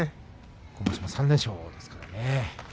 今場所の３連勝ですからね。